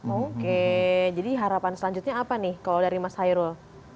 oke jadi harapan selanjutnya apa nih kalau dari mas hairul